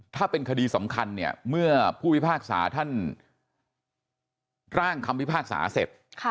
ถ้าเป็นคดีสำคัญเมื่อผู้วิภาคศาสตร์ท่านล่างคำวิภาคศาสตร์เสร็จ